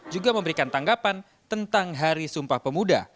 juga memberikan tanggapan tentang hari sumpah pemuda